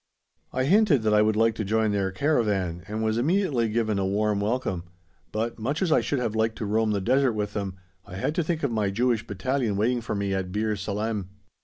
I hinted that I would like to join their caravan, and was immediately given a warm welcome, but, much as I should have liked to roam the desert with them, I had to think of my Jewish Battalion waiting for me at Bir Salem.